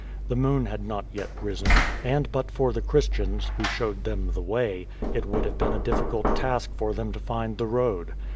The moon had not yet risen, and but for the Christians, who showed them the way, it would have been a difficult task for them to find the road.